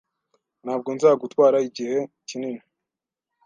Ntabwo nzagutwara igihe kinini.